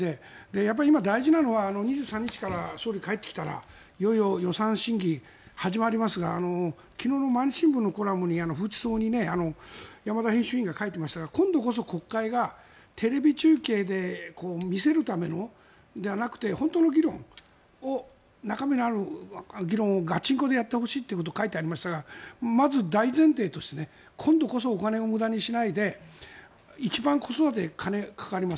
やっぱり今、大事なのは２３日から総理が帰ってきたらいよいよ予算審議始まりますが昨日の毎日新聞のコラムに山田編集委員が書いていましたが今度こそ国会がテレビ中継で見せるためのではなくて本当の議論中身のある議論をガチンコでやってほしいと書いてありましたがまず大前提として今度こそお金を無駄にしないで一番、子育てに金がかかります